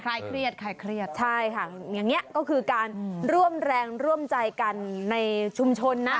เครียดคลายเครียดใช่ค่ะอย่างนี้ก็คือการร่วมแรงร่วมใจกันในชุมชนนะ